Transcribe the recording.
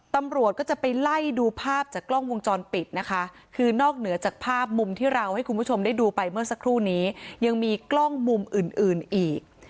ตำรวจก็จะไปไล่ดูภาพจากกล้องวงจรปิดนะคะคือนอกเหนือจากภาพมุมที่เราให้คุณผู้ชมได้ดูไปเมื่อสักครู่นี้ยังมีกล้องมุมอื่นอื่นอีก